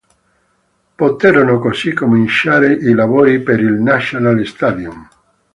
Poterono così cominciare i lavori per il National Stadium.